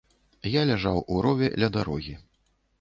Я ляжаў у рове ля дарогі.